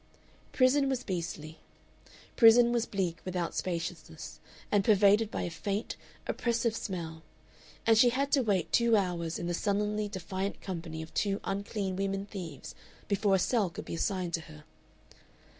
Prison was beastly. Prison was bleak without spaciousness, and pervaded by a faint, oppressive smell; and she had to wait two hours in the sullenly defiant company of two unclean women thieves before a cell could be assigned to her.